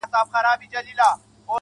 سم ليونى سوم.